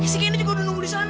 si candy juga udah nunggu di sana